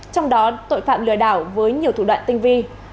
trong đó tội phạm lừa đảo với nhiều thủ đoạn tinh vi